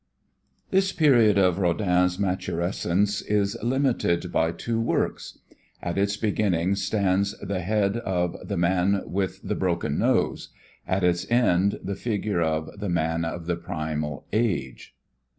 This period of Rodin's maturescence is limited by two works. At its beginning stands the head of "The Man with the Broken Nose," at its end the figure of "The Man of the Primal Age."